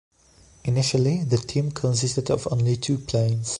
Initially, the team consisted of only two planes.